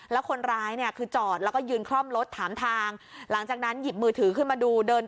แล้วคนร้ายเนี่ยคือจอดแล้วก็ยืนคล่อมรถถามทางหลังจากนั้นหยิบมือถือขึ้นมาดูเดิน